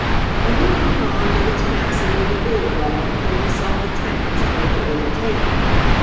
But he hung on with the tenacity of a bulldog until he saw the tramp was going to overtake him.